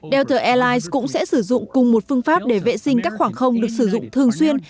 delta airlines cũng sẽ sử dụng cùng một phương pháp để vệ sinh các khoảng không được sử dụng thường xuyên